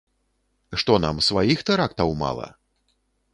Што нам, сваіх тэрактаў мала?